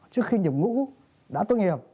trước khi nhập ngũ đã tuyển nghiệp